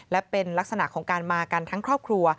และเป็นลักษณะของการมากันทั้งครอบครัว